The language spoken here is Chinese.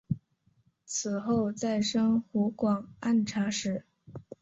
此后再升湖广按察使。